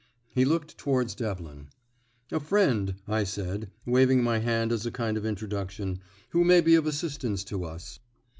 He looked towards Devlin. "A friend," I said, waving my hand as a kind of introduction, "who may be of assistance to us."